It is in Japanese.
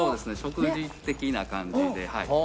食事的な感じではい。